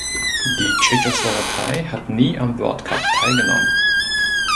Die Tschechoslowakei hat nie am World Cup teilgenommen.